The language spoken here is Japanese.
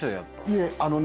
いえあのね